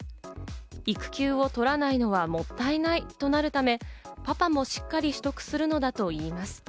育休を取らないのはもったいないとなるため、パパもしっかり取得するのだといいます。